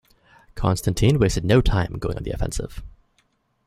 Constantine wasted no time going on the offensive.